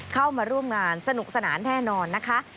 เข้ามาร่วมงานสนุกสนานแน่นอนนะคะ